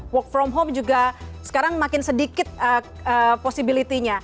work from home juga sekarang makin sedikit posibilitasnya